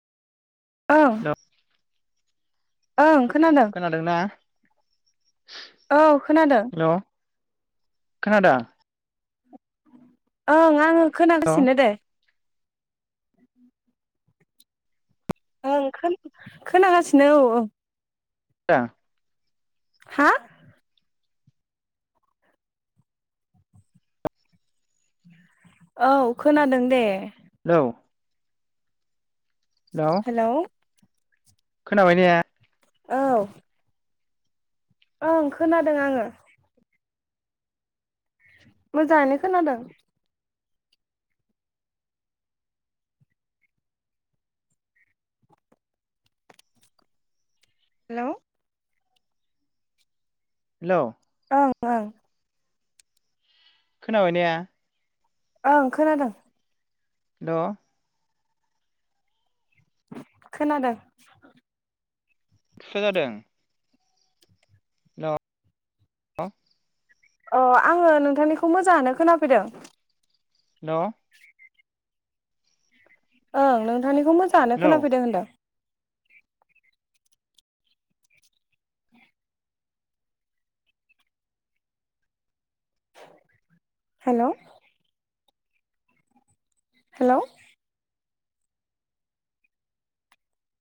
ओं हेलौ ओं खोनादों खोनादोंना औ खोनादों खोनादो ओं आं हेलौ खोनागासिनो दे। ओं खोनागासिनो औ [unintelligible] हा औ खोनादों दे हेलौ हेलौ खोनाबाय ने औ ओं खोनादों आङो। मोजाङैनो खोनादों। हेलौ हेलौ ओं ओं खोनाबाय ने? ओं खोनादों। द' खोनादों। फिसा जादों। हा अ आङो नोंथांनिखौ मोजाङानो खोनाफैदों। हेलौ ओं नो थांनिखौ मोजाङानो हेलौ खोनाफैदों होनदों। Hello hello